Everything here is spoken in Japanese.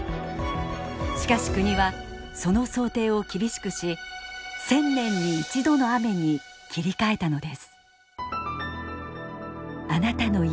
しかし国はその想定を厳しくし１０００年に１度の雨に切り替えたのです。